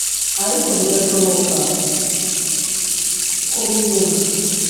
ariko bigashoboka ko biyunga